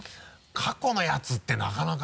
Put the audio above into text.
過去のやつってなかなか。